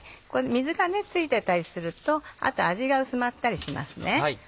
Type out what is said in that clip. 水が付いてたりするとあと味が薄まったりしますね。